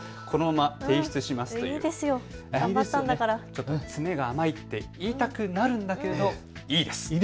ちょっと詰めが甘いと言いたくなるんだけど、いいです。